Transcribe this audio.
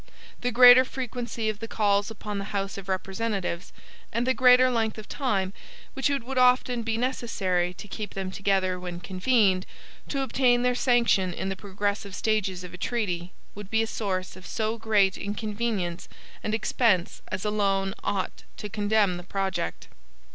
The greater frequency of the calls upon the House of Representatives, and the greater length of time which it would often be necessary to keep them together when convened, to obtain their sanction in the progressive stages of a treaty, would be a source of so great inconvenience and expense as alone ought to condemn the project.